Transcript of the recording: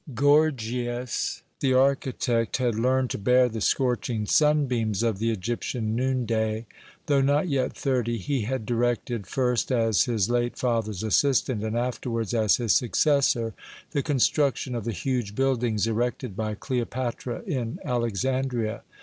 Gorgias, the architect, had learned to bear the scorching sunbeams of the Egyptian noonday. Though not yet thirty, he had directed first as his late father's assistant and afterwards as his successor the construction of the huge buildings erected by Cleopatra in Alexandria.